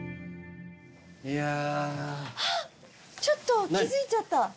ちょっと気付いちゃった。